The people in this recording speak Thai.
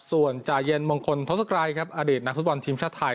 ส่วนจ่ายเย็นมงคลทศกรัยครับอดีตนักฟุตบอลทีมชาติไทย